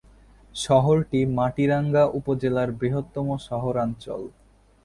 শহরটি মাটিরাঙ্গা উপজেলার বৃহত্তম শহরাঞ্চল।